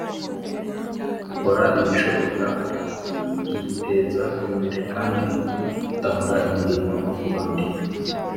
Akora ibishoboka akiteza imbere kandi atanga imirimo no kubandi